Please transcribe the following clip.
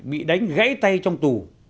bị đánh gãy tay trong tù